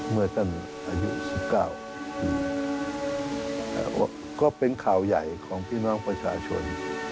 เมื่อตั้งอายุสิบเก้าก็เป็นข่าวใหญ่ของพี่น้องประชาชน